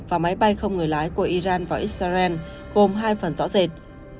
và máy bay không người lái của iran vào israel gồm hai phần rõ rệt